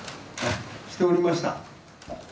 しておりました。